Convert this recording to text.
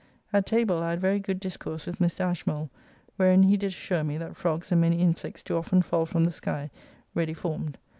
At table I had very good discourse with Mr. Ashmole, wherein he did assure me that frogs and many insects do often fall from the sky, ready formed.